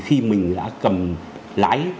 khi mình đã cầm lái